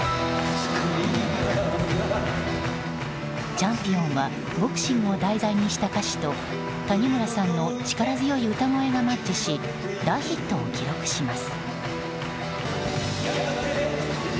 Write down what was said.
「チャンピオン」はボクシングを題材にした歌詞と谷村さんの力強い歌声がマッチし大ヒットを記録します。